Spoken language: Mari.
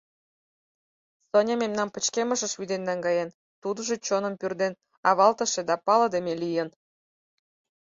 Соня мемнам пычкемышыш вӱден наҥгаен, тудыжо чоным пӱрден-авалтыше да палыдыме лийын.